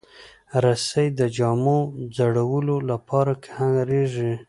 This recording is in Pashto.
رسۍ د جامو وځړولو لپاره کارېږي.